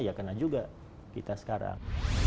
ya kena juga kita sekarang